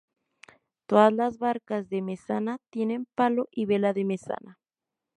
Todas las barcas de mesana tienen palo y vela de mesana.